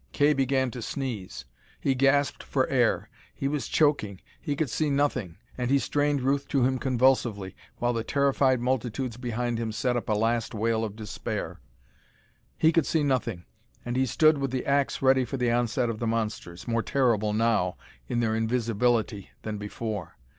Kay began to sneeze. He gasped for air. He was choking. He could see nothing, and he strained Ruth to him convulsively, while the terrified multitudes behind him set up a last wail of despair. He could see nothing, and he stood with the ax ready for the onset of the monsters, more terrible now, in their invisibility, than before.